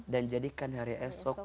dan jadikan hari esok